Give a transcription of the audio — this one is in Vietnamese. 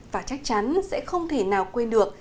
và chắc chắn sẽ không thể nào quên được